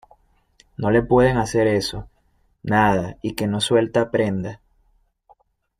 no le pueden hacer eso. nada, y que no suelta prenda .